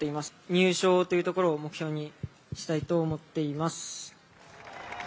入賞というところを目標にしたいと思っています。